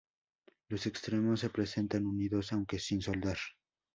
Los extremos se presentan unidos, aunque sin soldar.